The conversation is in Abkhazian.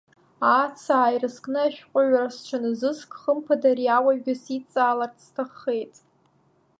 Аацаа ирызкны ашәҟәы аҩра сҽаназыск, хымԥада ари ауаҩгьы сидҵааларц сҭаххеит.